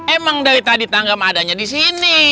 emang dari tadi tangga madanya di sini